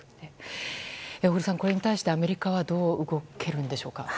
小栗さん、これに対してアメリカはどう動けるんでしょうか。